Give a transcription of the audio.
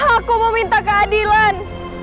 aku meminta keadilan